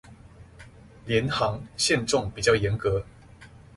廉航限重比較嚴格